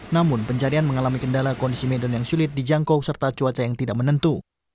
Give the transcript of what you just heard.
namun pencarian mengalami kendala kondisi medan yang sulit dijangkau serta cuaca yang tidak menentu